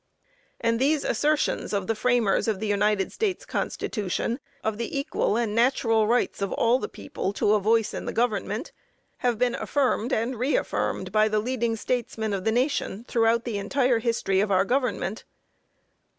And these assertions of the framers of the United States Constitution of the equal and natural rights of all the people to a voice in the government, have been affirmed and reaffirmed by the leading statesmen of the nation, throughout the entire history of our government.